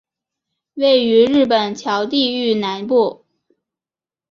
位于日本桥地域南部。